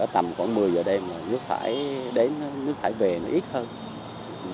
tầm khoảng một mươi giờ đêm nước thải về ít hơn